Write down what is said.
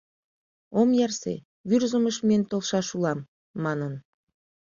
«Ом ярсе, Вӱрзымыш миен толшаш улам», — манын.